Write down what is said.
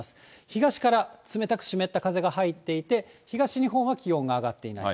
東から冷たく湿った風が入っていて、東日本は気温が上がっていない。